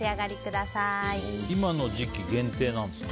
今の時期限定なんですか。